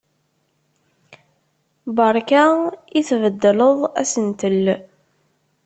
Beṛka i tbeddleḍ asentel!